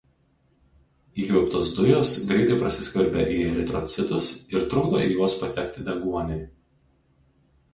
Įkvėptos dujos greitai prasiskverbia į eritrocitus ir trukdo į juos patekti deguoniui.